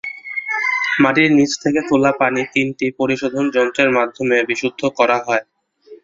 মাটির নিচ থেকে তোলা পানি তিনটি পরিশোধন যন্ত্রের মাধ্যমে বিশুদ্ধ করা হয়।